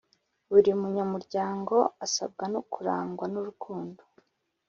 Buri munyamuryango asabwa no kurangwa n’urukundo